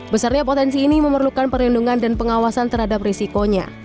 besarnya potensi ini memerlukan perlindungan dan pengawasan terhadap risikonya